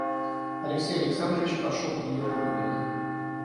Алексей Александрович прошел в ее кабинет.